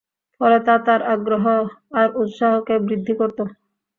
ফলে তা তাঁর আগ্রহ আর উৎসাহকে বৃদ্ধি করত।